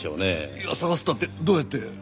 いや捜すったってどうやって。